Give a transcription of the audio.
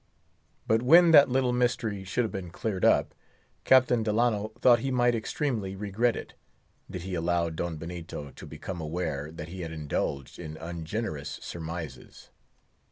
But when that little mystery should have been cleared up, Captain Delano thought he might extremely regret it, did he allow Don Benito to become aware that he had indulged in ungenerous surmises.